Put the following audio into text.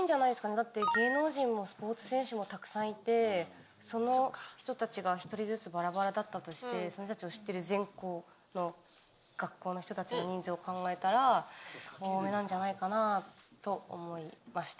だって芸能人もスポーツ選手もたくさんいて、その人たちが１人ずつばらばらだったとして、その人たちを知ってる全部の学校の人たちの人数を考えたら、多めなんじゃないかなと思いました。